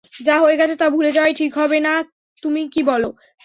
যা হয়ে গেছে তা ভুলে যাওয়াই কি ঠিক হবে না, তুমি কী বল?